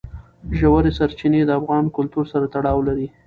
ژورې سرچینې د افغان کلتور سره تړاو لري.